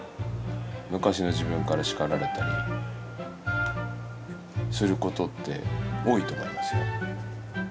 昔の自分から叱られたりすることって多いと思いますよ。